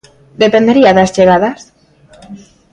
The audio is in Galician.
Dependería das chegadas.